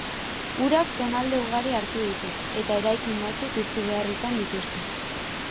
Urak zonalde ugari hartu ditu, eta eraikin batzuk hustu behar izan dituzte.